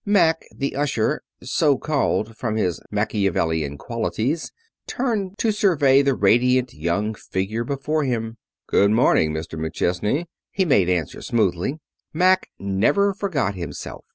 Mack, the usher, so called from his Machiavellian qualities, turned to survey the radiant young figure before him. "Good morning, Mr. McChesney," he made answer smoothly. Mack never forgot himself.